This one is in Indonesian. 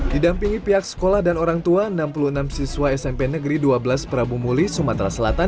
didampingi pihak sekolah dan orang tua enam puluh enam siswa smp negeri dua belas prabu muli sumatera selatan